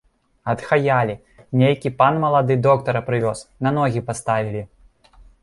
Адхаялі, нейкі пан малады доктара прывёз, на ногі паставілі.